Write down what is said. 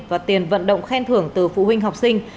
và tiền vận động khen thưởng từ phụ huynh học sinh